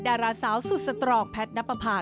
ดาราสาวสุดสตรอกแพทย์นับประพา